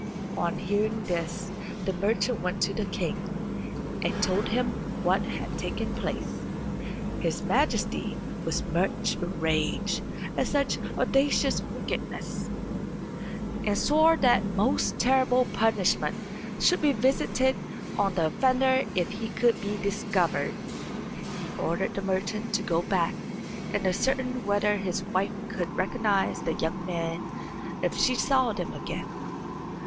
On hearing this the merchant went to the king, and told him what had taken place. His Majesty was much enraged at such audacious wickedness, and swore that most terrible punishment should be visited on the offender if he could be discovered. He ordered the merchant to go back and ascertain whether his wife could recognise the young men if she saw them again.